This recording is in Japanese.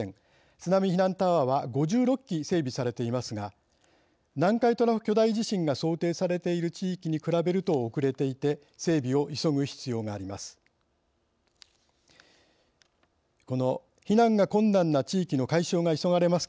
津波避難タワーは５６基、整備されていますが南海トラフ巨大地震が想定されている地域に比べると遅れていて整備を急ぐ必要があります。